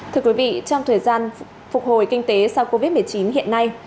thưa quý vị trong thời gian phục hồi kinh tế sau covid một mươi chín hiện nay